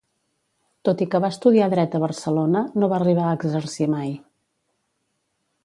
Tot i que va estudiar Dret a Barcelona, no va arribar a exercir mai.